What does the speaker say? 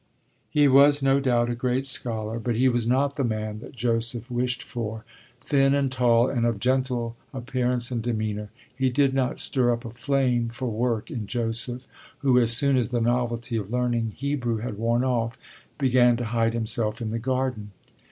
He was no doubt a great scholar, but he was not the man that Joseph wished for: thin and tall and of gentle appearance and demeanour, he did not stir up a flame for work in Joseph, who, as soon as the novelty of learning Hebrew had worn off, began to hide himself in the garden.